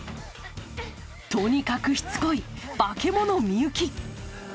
とにかくしつこい化け物・美雪。